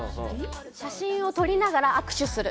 写真を撮りながら握手する。